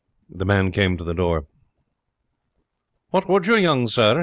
The man came to the door. "What would you, young sir?"